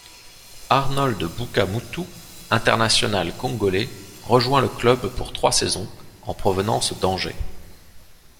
Arnold Bouka Moutou, international congolais, rejoint le club pour trois saisons, en provenance d'Angers.